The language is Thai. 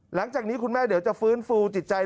หลังจากนี้คุณแม่เดี๋ยวจะฟื้นฟูจิตใจ